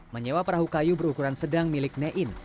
menyewa perahu kayu berukuran sedang milik nein